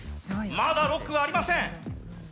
まだロックがありません。